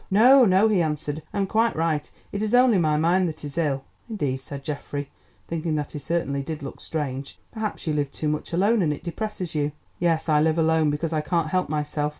"No, no," he answered, "I am quite right; it is only my mind that is ill." "Indeed," said Geoffrey, thinking that he certainly did look strange. "Perhaps you live too much alone and it depresses you." "Yes, I live alone, because I can't help myself.